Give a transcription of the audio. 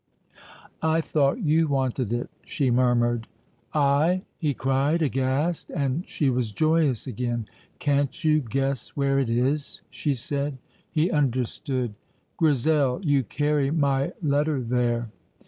"I thought you wanted it," she murmured. "I!" he cried, aghast, and she was joyous again. "Can't you guess where it is?" she said. He understood. "Grizel! You carry my letter there!"